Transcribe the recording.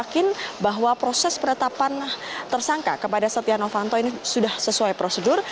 saya yakin bahwa proses penetapan tersangka kepada setia novanto ini sudah sesuai prosedur